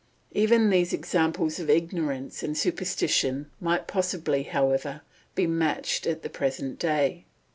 Even these examples of ignorance and superstition might possibly, however, be matched at the present day.